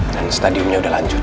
dan stadiumnya udah lanjut